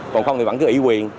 còn không thì vẫn cứ ủy quyền